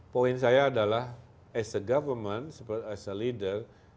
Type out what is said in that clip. poin saya adalah as a government as a leader